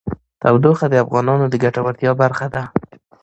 تودوخه د افغانانو د ګټورتیا برخه ده.